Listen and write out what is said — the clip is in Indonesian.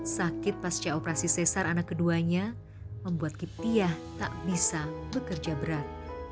sakit pasca operasi sesar anak keduanya membuat kiptiah tak bisa bekerja berat